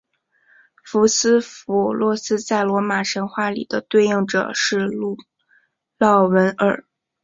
福斯否洛斯在罗马神话里的对应者是路喀斐耳。